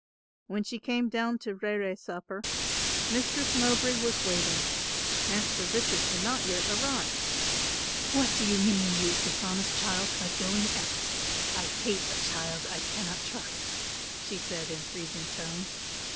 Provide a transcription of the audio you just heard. When she came down to rere supper, Mistress Mowbray was waiting. Master Richard had not arrived. "What do you mean, you dishonest child, by going out? I hate a child I cannot trust," she said in freezing tones.